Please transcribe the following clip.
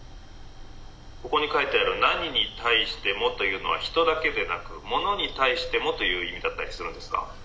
「ここに書いてある何に対してもというのは人だけでなく物に対してもという意味だったりするんですか？」。